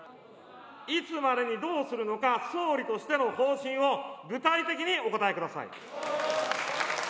いつまでにどうするのか、総理としての方針を具体的にお答えください。